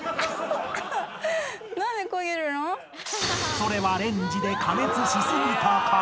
［それはレンジで加熱しすぎたから］